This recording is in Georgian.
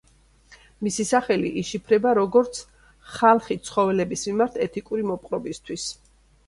მისი სახელი იშიფრება როგორც „ხალხი ცხოველების მიმართ ეთიკური მოპყრობისთვის“.